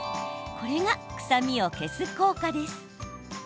これが臭みを消す効果です。